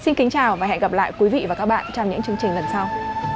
xin kính chào và hẹn gặp lại quý vị và các bạn trong những chương trình lần sau